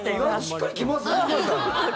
しっくりきますね。